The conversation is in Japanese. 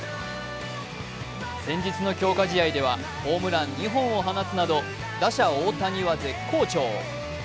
先日の強化試合ではホームラン２本を放つなど打者・大谷は絶好調。